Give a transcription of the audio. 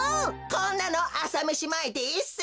こんなのあさめしまえです。